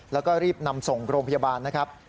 แล้วก็รีบนำส่งโรงพยาบาลนะครับ